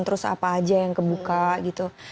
terus apa aja yang kebuka gitu